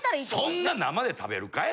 そんな生で食べるかい？